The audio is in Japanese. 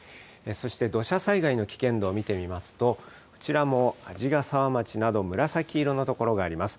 そして土砂災害の危険度を見てみますと、こちらも鰺ヶ沢町など、紫色の所があります。